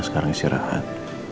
nah sekarang istirahat